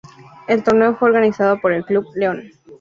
El torneo fue organizado por el Club Leon.